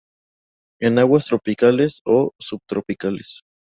En aguas tropicales o subtropicales.